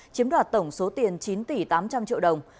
chiếm đoạt tổng số tiền chín tỷ tám trăm linh triệu đồng